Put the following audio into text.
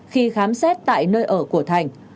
khi khám xét tại nơi ở của thành